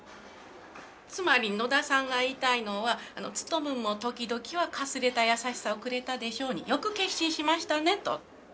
つまり野田さんが言いたいのはツトムンも時々はかすれた優しさをくれたでしょうによく決心しましたねと。